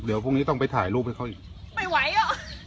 เดี๋ยวพรุ่งนี้ต้องไปถ่ายรูปให้เขาอีกไม่ไหวเหรอ